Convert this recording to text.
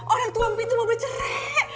orang tua empi tuh mau bercerai